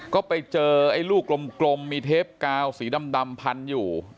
ก็ไปเจอไอ้ลูกกลมมีเทปกาวสีดำพันอยู่